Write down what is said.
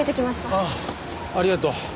ああありがとう。